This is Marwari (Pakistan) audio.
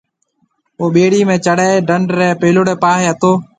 او ٻيڙِي ۾ چڙھيَََ دنڍ رَي پيلوڙَي پاھيََََ ھتو۔